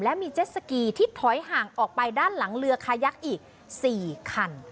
และมีเจ็ดสกีที่ถอยห่างออกไปด้านหลังเรือคายักษ์อีก๔คัน